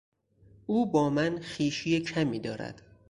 او با من خویشی کمی دارد.